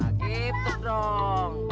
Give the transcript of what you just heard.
nah gitu dong